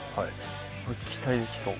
これ期待できそう。